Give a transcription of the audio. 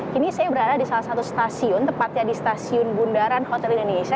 kini saya berada di salah satu stasiun tepatnya di stasiun bundaran hotel indonesia